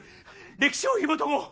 歴史をひもとこう。